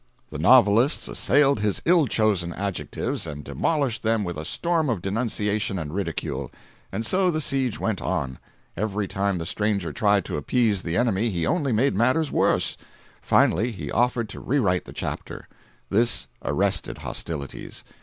The novelists assailed his ill chosen adjectives and demolished them with a storm of denunciation and ridicule. And so the siege went on. Every time the stranger tried to appease the enemy he only made matters worse. Finally he offered to rewrite the chapter. This arrested hostilities.